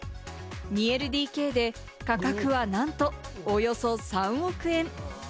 ２ＬＤＫで価格はなんとおよそ３億円。